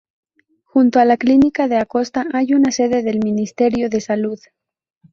Junto a la Clínica de Acosta hay una sede del Ministerio de Salud.